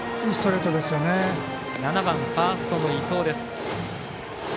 ７番ファーストの伊藤です。